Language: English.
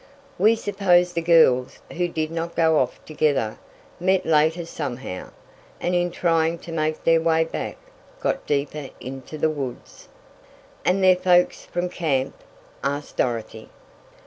We suppose the girls, who did not go off together, met later somehow, and in trying to make their way back, got deeper into the woods." "And their folks from camp?" asked Dorothy.